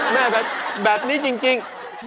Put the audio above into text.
แม่แบบนี้จริง